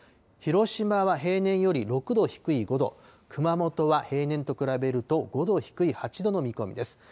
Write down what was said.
広島は平年より６度低い５度、熊本は平年と比べると５度低い８度の予想です。